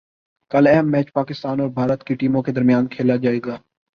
کل اہم میچ پاکستان اور بھارت کی ٹیموں کے درمیان کھیلا جائے گا